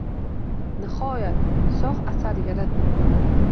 Nihoyat, shoh asar yaratildi!